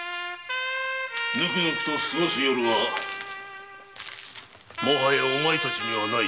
ぬくぬくとすごす夜はもはやお前たちにはない。